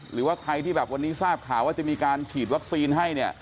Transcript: หรือว่าใครที่แบบวันนี้ทราบข่าวว่าจะมีการฉีดวัคซีนให้เนี่ย